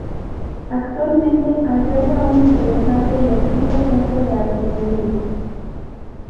Actualmente alberga un interesante y activo Centro de Artesanía.